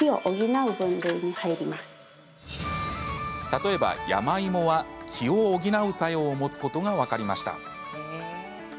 例えば、山芋は気を補う作用を持つことが分かりました。